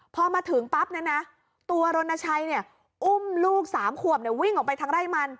พอมาถึงปั๊บนั้นนะตัวรณชัยเนี่ยอุ้มลูก๓ขวบเนี่ยวิ่งออกไปทางไร่มัน